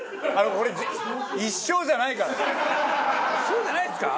一生じゃないんですか？